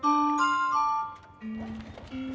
jalan telepon sendiri